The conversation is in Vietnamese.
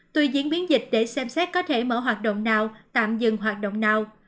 tuy diễn biến dịch để xem xét có thể mở hoạt động nào tạm dừng hoạt động nào